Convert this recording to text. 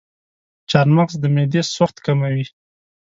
چارمغز د معدې سوخت کموي.